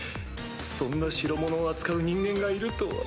そんな代物を扱う人間がいるとは。